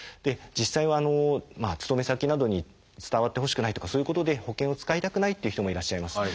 実際は勤め先などに伝わってほしくないとかそういうことで保険を使いたくないっていう人もいらっしゃいます。